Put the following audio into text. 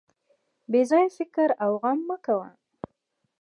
بې ځایه فکر او غم مه کوه.